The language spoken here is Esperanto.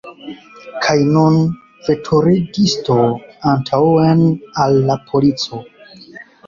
Kaj nun, veturigisto, antaŭen, al la polico!